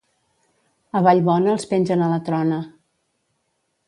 A Vallbona els pengen a la trona.